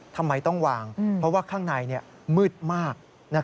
ทำไมต้องวางเพราะว่าข้างในมืดมาก